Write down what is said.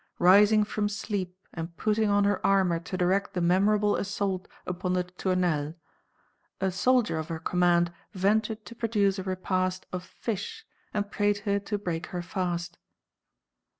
Rising from sleep and putting on her armour to direct the memorable assault upon the Tournelles, a soldier of her command ventured to produce a repast of fish, and prayed her to break her fast.